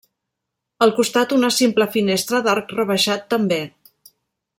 Al costat una simple finestra d'arc rebaixat també.